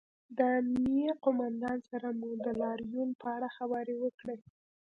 د امنیې قومندان سره مو د لاریون په اړه خبرې وکړې